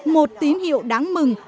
một tín hiệu đáng mừng